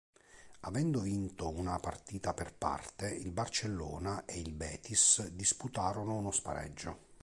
Avendo vinto una partita per parte, il Barcellona e il Betis disputarono uno spareggio.